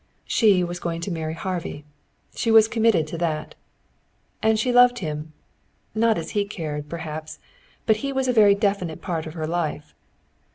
She was going to marry Harvey. She was committed to that. And she loved him; not as he cared, perhaps, but he was a very definite part of her life.